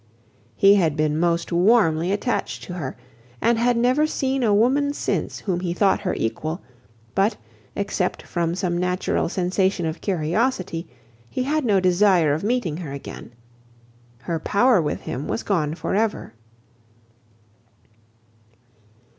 He had been most warmly attached to her, and had never seen a woman since whom he thought her equal; but, except from some natural sensation of curiosity, he had no desire of meeting her again. Her power with him was gone for ever.